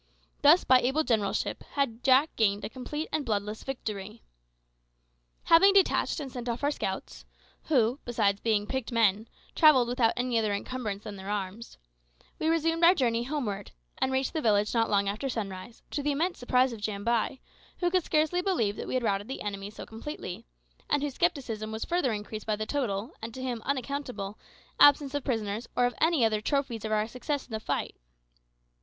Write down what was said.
Thus, by able generalship, had Jack gained a complete and bloodless victory. Having detached and sent off our scouts who, besides being picked men, travelled without any other encumbrance than their arms we resumed our journey homeward, and reached the village not long after sunrise, to the immense surprise of Jambai, who could scarcely believe that we had routed the enemy so completely, and whose scepticism was further increased by the total, and to him unaccountable, absence of prisoners, or of any other trophies of our success in the fight.